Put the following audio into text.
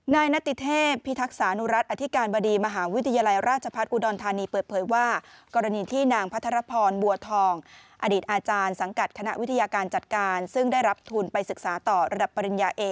นายนติเทพพิทักษานุรัติอธิการบดีมหาวิทยาลัยราชพัฒน์อุดอนธานี